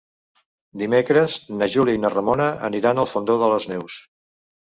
Dimecres na Júlia i na Ramona aniran al Fondó de les Neus.